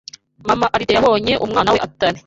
Mama Alide yabonye umwana we atari